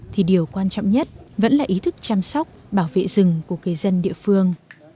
thì điều quan trọng nhất vẫn là ý thức chăm sóc bảo vệ rừng của cây dân địa phương